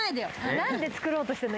何で作ろうとしてるの？